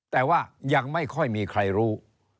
แต่ว่ายังไม่ค่อยมีใครรู้